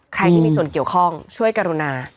ใครที่มีส่วนเกี่ยวข้องช่วยกรุณา